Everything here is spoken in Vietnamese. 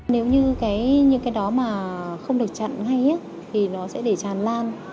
nếu như cái đó mà không được chặn hay thì nó sẽ để tràn lan